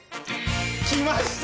きました！